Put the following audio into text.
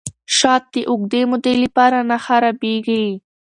شات د اوږدې مودې لپاره نه خرابیږي.